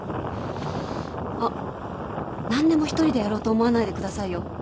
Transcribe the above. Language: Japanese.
あっ何でも１人でやろうと思わないでくださいよ。